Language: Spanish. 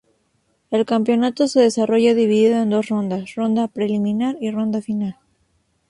El campeonato se desarrolla dividido en dos rondas: ronda preliminar y ronda final.